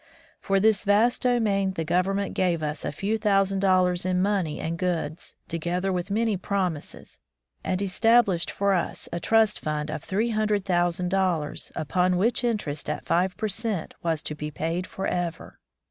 For this vast do main the Government gave us a few thousand dollars in money and goods, together with many promises, and established for us a trust fund of three hundred thousand dollars, upon which interest at five per cent was to be paid forever."